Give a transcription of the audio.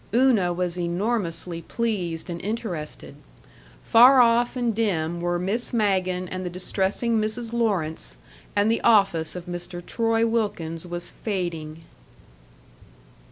Una was enormously pleased and interested. Far off and dim were Miss Magen and the distressing Mrs. Lawrence; and the office of Mr. Troy Wilkins was fading.